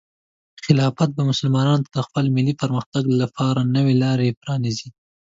خلافت به مسلمانانو ته د خپل ملي پرمختګ لپاره نوې لارې پرانیزي.